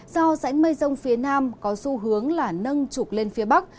do rãnh mây rông phía nam có xu hướng là nâng trục lên phía bắc